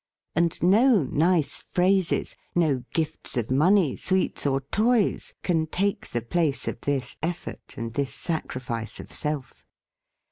And no nice phrases, no gifts of money, sweets or toys, can take the place of this effort, and this sacrifice of self.